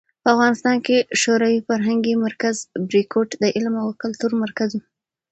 په افغانستان کې شوروي فرهنګي مرکز "بریکوټ" د علم او کلتور مرکز و.